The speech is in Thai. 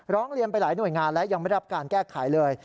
ร้องเรียนไปหลายหน่วยงานและยังไม่รับการแก้ไขเลย